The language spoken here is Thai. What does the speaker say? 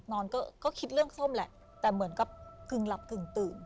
นอนก็คิดเรื่องส้มแหละแต่เหมือนกับกึ่งหลับกึ่งตื่น